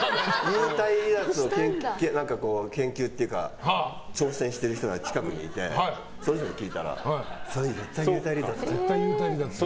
幽体離脱を研究っていうか挑戦している人が近くにいてその人に聞いたらそれ、絶対幽体離脱だよって。